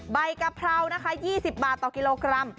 กะเพรานะคะ๒๐บาทต่อกิโลกรัม